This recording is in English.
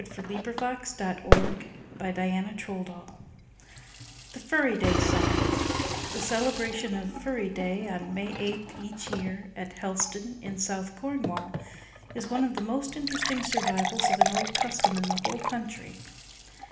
[Illustration: Bala Lake] THE FURRY DAY SONG The celebration of "Furry Day," on May 8th each year, at Helston, in South Cornwall, is one of the most interesting survivals of an old custom in the whole country.